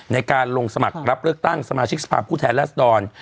ในการลงสมัครรับเลือกตั้งสมาชิกสภาพผู้แทนรัศดร